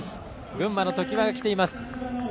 群馬の常磐が来ています。